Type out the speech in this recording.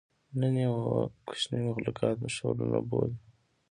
نن ئې واړه مخلوقات شعرونه بولي